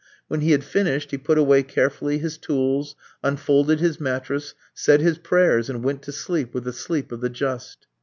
When he had finished he put away carefully his tools, unfolded his mattress, said his prayers, and went to sleep with the sleep of the just.